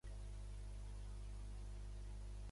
D'acord amb Sòcrates, i Justa Grata romangué soltera.